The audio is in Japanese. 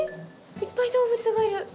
いっぱい動物がいる。